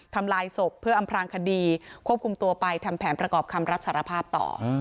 ทำลายศพเพื่ออำพลางคดีควบคุมตัวไปทำแผนประกอบคำรับสารภาพต่อ